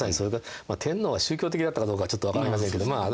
天皇は宗教的だったかどうかちょっと分かりませんけどまあ